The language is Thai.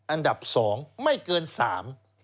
อันดับสองไม่เกินสาม